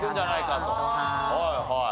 はいはい。